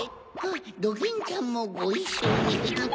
ドキンちゃんもごいっしょに。